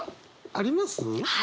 あります！